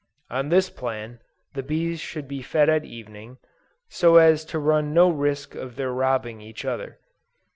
On this plan, the bees should be fed at evening; so as to run no risk of their robbing each other.